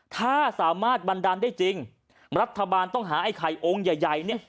ถ้าสามารถบันดาลได้จริงรัฐบาลต้องหาไอ้ไข่องค์ใหญ่เนี่ย